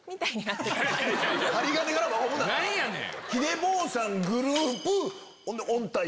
何やねん！